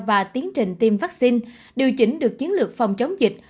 và tiến trình tiêm vaccine điều chỉnh được chiến lược phòng chống dịch